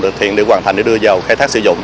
được thiện để hoàn thành để đưa vào khai thác sử dụng